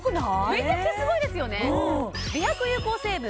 めちゃくちゃすごいですよね